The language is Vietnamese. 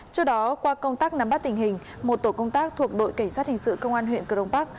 trước đó qua công tác nắm bắt tình hình một tổ công tác thuộc đội cảnh sát hình sự công an huyện cờ rông bắc